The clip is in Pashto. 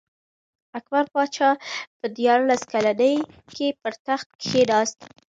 اکبر پاچا په دیارلس کلنۍ کي پر تخت کښېناست.